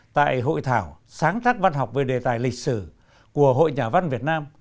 tại hội thảo sáng tác văn học về đề tài lịch sử của hội nhà văn việt nam